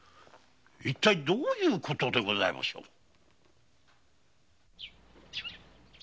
一体どういうことでございましょう？